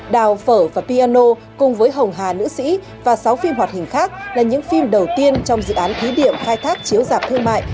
đào phở và piano cùng với hồng hà nữ sĩ và sáu phim hoạt hình khác là những phim đầu tiên trong dự án thí điểm khai thác chiếu dạp thương mại